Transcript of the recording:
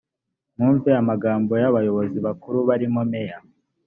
mwumve amagambo y’abayobozi bakuru barimo meya